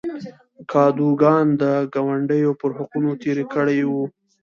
کادوګان د ګاونډیو پر حقونو تېری کړی و.